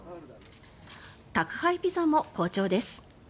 宅配ピザも好調です。